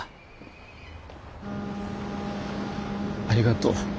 ありがとう。